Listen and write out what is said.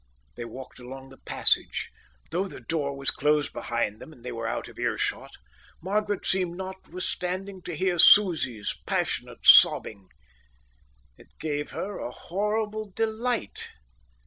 They walked along the passage. Though the door was closed behind them and they were out of earshot, Margaret seemed not withstanding to hear Susie's passionate sobbing. It gave her a horrible delight.